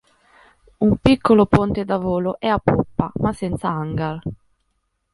Un piccolo ponte da volo è a poppa, ma senza hangar.